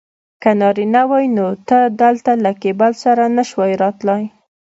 که نارینه وای نو ته دلته له کیبل سره نه شوای راتلای.